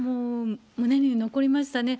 胸に残りましたね。